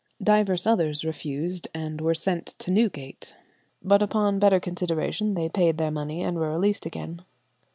Divers others refused, and were sent to Newgate; but upon better consideration they paid their money, and were released again."